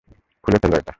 খুলে ফেলো এটা।